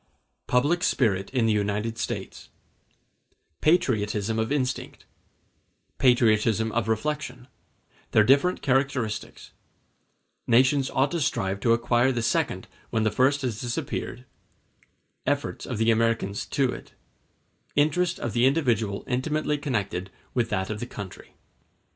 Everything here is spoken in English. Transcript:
Public Spirit In The United States Patriotism of instinct—Patriotism of reflection—Their different characteristics—Nations ought to strive to acquire the second when the first has disappeared—Efforts of the Americans to it—Interest of the individual intimately connected with that of the country.